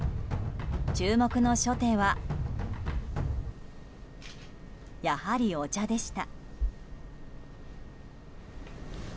注目の初手はやはりお茶でした。